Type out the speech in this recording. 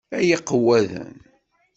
Ay iqewwaden!